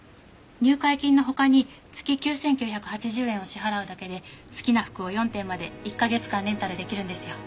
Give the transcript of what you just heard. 入会金の他に月９９８０円を支払うだけで好きな服を４点まで１カ月間レンタルできるんですよ。